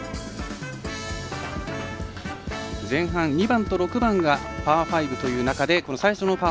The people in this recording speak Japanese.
前半２番と６番がパー５という中で最初のパー